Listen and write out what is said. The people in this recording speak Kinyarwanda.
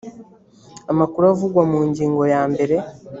amakuru avugwa mu ngingo ya mbere